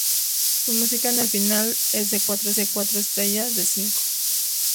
Su música en el final es de cuatro estrellas de cinco.